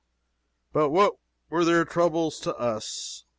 But what were their troubles to us?